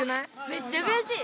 めっちゃくやしい。